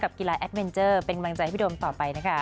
กีฬาแอดเมนเจอร์เป็นกำลังใจให้พี่โดมต่อไปนะคะ